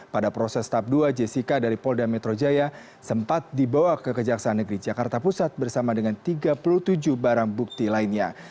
pada proses tahap dua jessica dari polda metro jaya sempat dibawa ke kejaksaan negeri jakarta pusat bersama dengan tiga puluh tujuh barang bukti lainnya